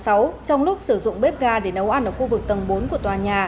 trong lúc sử dụng bếp ga để nấu ăn ở khu vực tầng bốn của tòa nhà